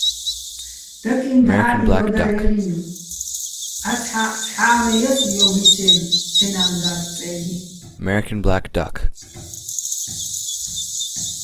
დაკიჼ დჵა́ჸი ვადარჲალინო̆ ჺაცჰ̦ა́ჸ ცჰ̦ა́ვეჼ ჲასო̆ ჲო́უ̆გჲისენო̆ სე ნა́ნ-და́დ წე́ნი.